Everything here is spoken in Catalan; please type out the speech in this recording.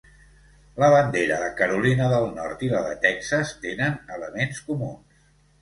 La bandera de Carolina del Nord i la de Texas tenen elements comuns.